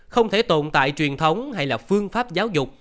không thể tồn tại truyền thống hay là phương pháp giáo dục